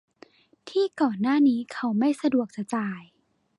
ที่ก่อนหน้านี้เขาไม่สะดวกจะจ่าย